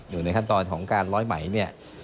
อยู่ในขั้นตอนของการร้อยไหมเนี่ย